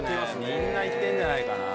みんな行ってんじゃないかな